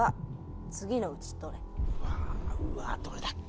うわあうわどれだっけ？